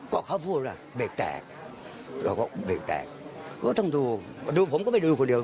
ก็เขาพูดว่าเบรกแตกเราก็เบรกแตกก็ต้องดูดูผมก็ไม่ดูคนเดียว